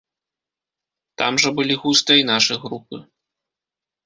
Там жа былі густа і нашы групы.